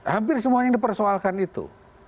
hampir semuanya dipersoalkan itu